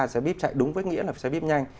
xe bíp chạy đúng với nghĩa là xe bíp nhanh